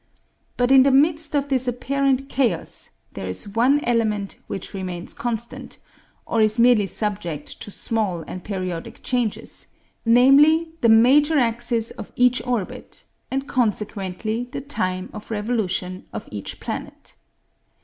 But in the midst of this apparant chaos, there is one element which remains constant, or is merely subject to small and periodic changes; namely, the major axis of each orbit, and consequently the time of revolution of each planet.